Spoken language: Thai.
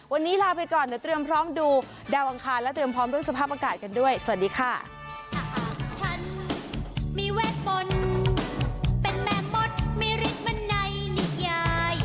วันนี้ลาไปก่อนเดี๋ยวเตรียมพร้อมดูดาวอังคารและเตรียมพร้อมเรื่องสภาพอากาศกันด้วยสวัสดีค่ะ